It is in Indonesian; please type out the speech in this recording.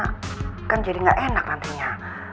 karena kan jadi gak enak nantinya